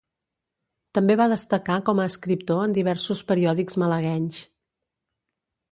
També va destacar com a escriptor en diversos periòdics malaguenys.